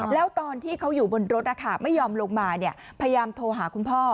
แล้วตอนที่เขาอยู่บนรถไม่ยอมลงมาพยายามโทรหาคุณพ่อ